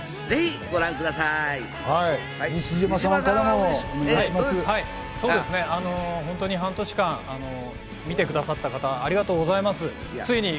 ぜひご覧ください。